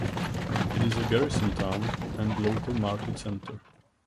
It is a garrison town and local market centre.